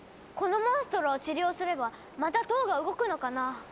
このモンストロを治療すればまた塔が動くのかな。